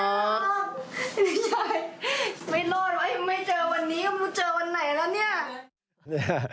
ยายไม่รอดว่าไม่เจอวันนี้มันเจอวันไหนแล้วเนี่ย